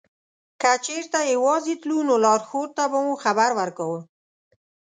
که چېرته یوازې تلو نو لارښود ته به مو خبر ورکاوه.